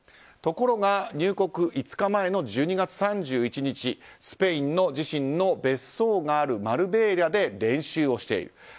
ところが入国５日前の１２月３１日スペインの自身の別荘があるマルベーリャで練習をしている。